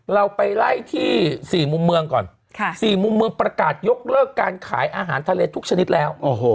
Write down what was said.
เราไปไล่ที่๔มุมเมืองก่อน๔มุมเมืองประกาศยกเลิกการขายอาหารทะเลทุกชนิดแล้ว